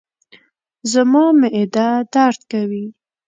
زما معده درد کوي